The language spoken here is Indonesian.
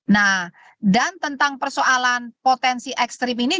nah dan tentang persoalan potensi ekstrim ini